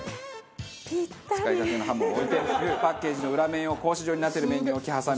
使いかけのハムを置いてパッケージの裏面を格子状になってる面に置き挟み。